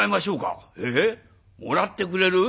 「えっもらってくれる？